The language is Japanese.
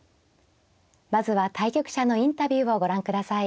まずは対局者のインタビューをご覧ください。